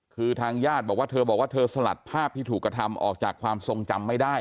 คือทางญาติบอกว่าเธอบอกว่าเธอสลัดภาพที่ถูกกระทำออกจากความทรงจำไม่ได้